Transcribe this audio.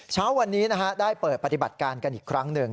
เช้าวันนี้ได้เปิดปฏิบัติการกันอีกครั้งหนึ่ง